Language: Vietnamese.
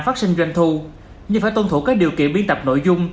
phát sinh doanh thu nhưng phải tuân thủ các điều kiện biên tập nội dung